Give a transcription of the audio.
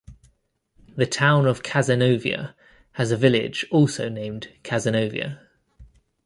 The Town of Cazenovia has a village also named Cazenovia.